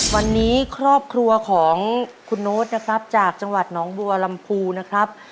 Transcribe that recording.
วันนี้ครอบครัวของคุณโน๊ตนะครับจากจังหวัดหนองบัวลำพูนะครับ